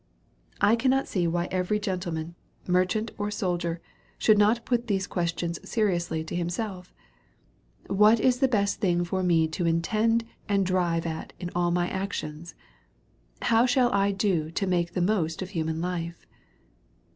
1 cannot see why every gentleman, merchant, or 272 A SERIOUS CALL T0 A soldier, should not put these questions seriously to himself: Wliat is the best thing for me to intend and drive at in all my actions/ How shall 1 do to make the most of human life?